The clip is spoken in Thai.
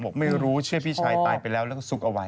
บอกไม่รู้เชื่อพี่ชายตายไปแล้วแล้วก็ซุกเอาไว้